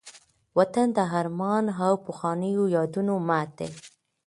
وطن د ارمان او پخوانيو یادونو مهد دی.